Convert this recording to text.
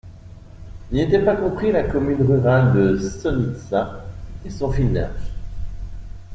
N'y étaient pas compris la commune rurale de Sosnitza et son finage.